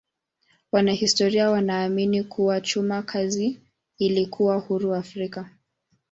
Wanahistoria wanaamini kuwa chuma kazi ilikuwa huru Afrika.